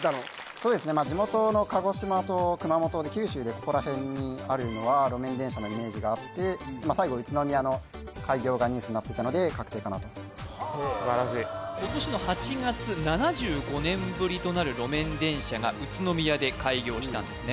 そうですね地元の鹿児島と熊本で九州でここら辺にあるのは路面電車のイメージがあって最後宇都宮の開業がニュースになっていたので確定かなと素晴らしい今年の８月７５年ぶりとなる路面電車が宇都宮で開業したんですね